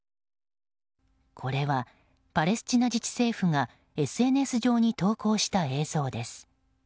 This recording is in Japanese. これは、パレスチナ自治政府がＳＮＳ上に投稿した映像です。